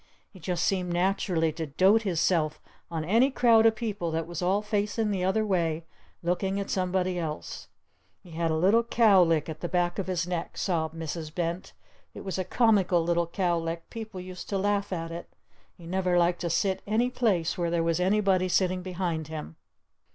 He just seemed naturally to dote hisself on any crowd of people that was all facing the other way looking at somebody else! He had a little cowlick at the back of his neck!" sobbed Mrs. Bent. "It was a comical little cowlick! People used to laugh at it! He never liked to sit any place where there was anybody sitting behind him!"